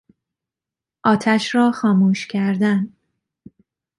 آتش را خاموش کردن